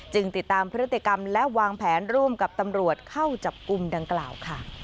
ติดตามพฤติกรรมและวางแผนร่วมกับตำรวจเข้าจับกลุ่มดังกล่าวค่ะ